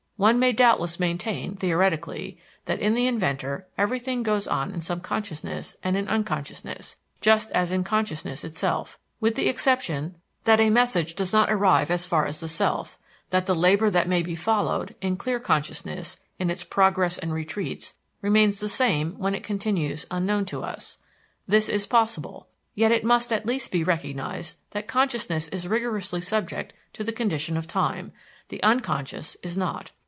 One may doubtless maintain, theoretically, that in the inventor everything goes on in subconsciousness and in unconsciousness, just as in consciousness itself, with the exception that a message does not arrive as far as the self; that the labor that may be followed, in clear consciousness, in its progress and retreats, remains the same when it continues unknown to us. This is possible. Yet it must at least be recognized that consciousness is rigorously subject to the condition of time, the unconscious is not.